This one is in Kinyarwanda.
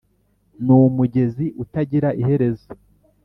numugezi utagira iherezo